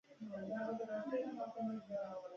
تر پنځوس او څلور سوه میلادي کاله پورې ټولې پاڼې ورژېدې